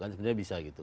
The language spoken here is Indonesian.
sebenarnya bisa begitu